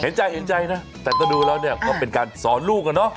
เห็นใจนะแต่ก็ดูแล้วเนี่ยก็เป็นการสอนลูกอะเนาะ